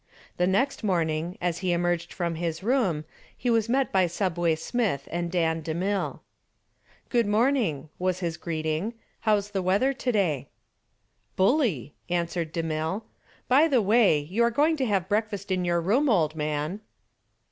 The next morning as he emerged from his room, he was met by "Subway" Smith and Dan DeMille. "Good morning," was his greeting. "How's the weather to day?" "Bully," answered DeMille. "By the way, you are going to have breakfast in your room, old man."